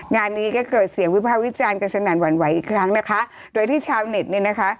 งานนี้ก็เกิดเสียงวิภาควิจารณ์กันสนั่นหวั่นไหวอีกครั้งนะคะโดยที่ชาวเน็ตเนี่ยนะคะ